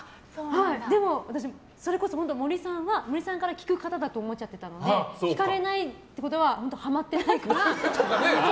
でも、私、それこそ森さんは森さんから聞く方だと思っちゃってたので聞かれないってことはハマってないから。